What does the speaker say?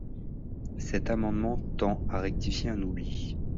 Cet amendement tend à rectifier un oubli.